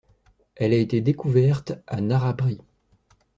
Elle a été découverte à Narrabri.